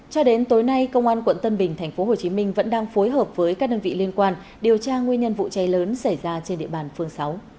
cho đến tối nay công an quận tân bình tp hcm vẫn đang phối hợp với các đơn vị liên quan điều tra nguyên nhân vụ cháy lớn xảy ra trên địa bàn phường sáu